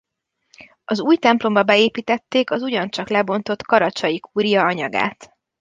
Az új templomba beépítették az ugyancsak lebontott Karacsay-kúria anyagát.